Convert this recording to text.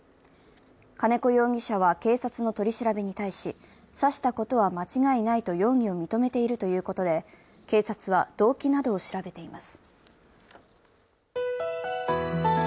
金子容疑者は警察の取り調べに対し、刺したことは間違いないと容疑を認めているということで警察は動機などを調べています。